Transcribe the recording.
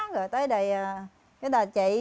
rồi tới đời chị